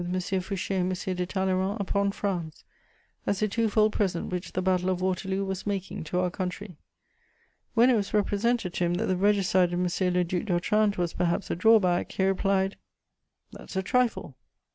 Fouché and M. de Talleyrand upon France, as a twofold present which the Battle of Waterloo was making to our country. When it was represented to him that the regicide of M. le Duc d'Otrante was perhaps a drawback, he replied: "That's a trifle!"